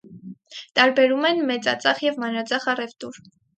Տարբերում են մեծածախ և մանրածախ առևտուր։